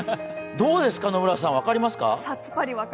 どうですか、野村さん、分かりますか？